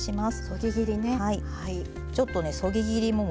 そぎ切りねはい。